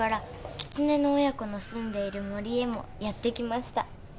「キツネの親子の住んでいる森へもやってきました」